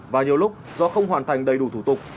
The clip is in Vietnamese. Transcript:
và nhiều lúc do không hoàn thành đầy đủ thủ tục